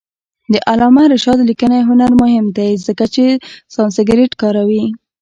د علامه رشاد لیکنی هنر مهم دی ځکه چې سانسکریت کاروي.